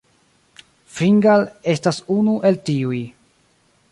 Fingal estas unu el tiuj.